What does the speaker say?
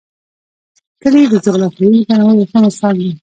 کلي د جغرافیوي تنوع یو ښه مثال دی.